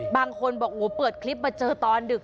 บางคนบอกเปิดคลิปมาเจอตอนดึก